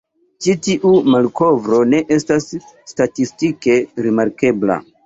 Ĉi tiu malkovro ne estas statistike rimarkebla.